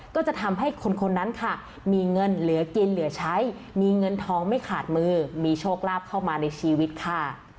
ก็จะทำให้คนนั้นค่ะมีเงินเหลือกินเหลือใช้มีเงินทองไม่ขาดมือมีโชคลาภเข้ามาในชีวิตค่ะ